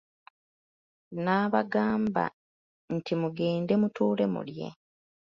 N'abagamba nti, mugende mutuule mulye.